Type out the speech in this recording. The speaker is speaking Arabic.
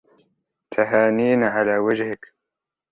تهانينا على وجهك.